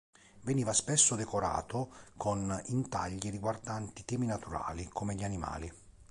Veniva spesso decorato con intagli riguardanti temi naturali come gli animali.